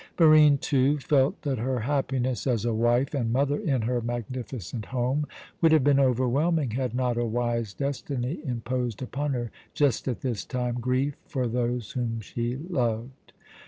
Barine, too, felt that her happiness as wife and mother in her magnificent home would have been overwhelming had not a wise destiny imposed upon her, just at this time, grief for those whom she loved.